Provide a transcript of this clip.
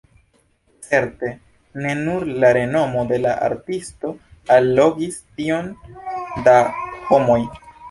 Certe ne nur la renomo de la artisto allogis tiom da homoj.